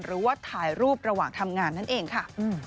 หรือว่าถ่ายรูประหว่างทำงานนั่นเองค่ะ